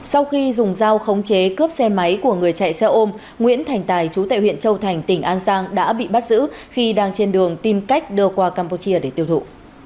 sau khi dùng dao khống chế cướp xe máy của người chạy xe ôm nguyễn thành tài chú tệ huyện châu thành tỉnh an giang đã bị bắt giữ khi đang trên đường tìm cách đưa qua campuchia để tiêu thụ